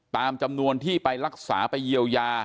ตามจำนวนที่ไปรักษาไปเยียวยา